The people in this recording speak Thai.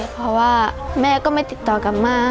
เพราะว่าแม่ก็ไม่ติดต่อกลับมา